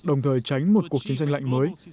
đồng thời tránh một cuộc chiến tranh lạnh mới